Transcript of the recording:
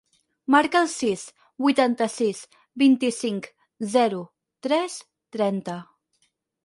Marca el sis, vuitanta-sis, vint-i-cinc, zero, tres, trenta.